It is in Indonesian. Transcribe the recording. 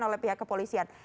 dilakukan oleh pihak kepolisian